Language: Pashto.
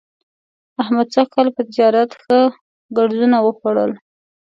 احمد سږ کال په تجارت ښه ګړزونه وخوړل.